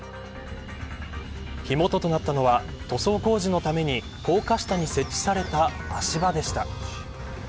火元となったのは塗装工事のために高架下に設置された足場でした。